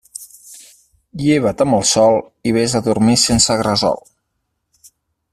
Lleva't amb el sol i vés a dormir sense gresol.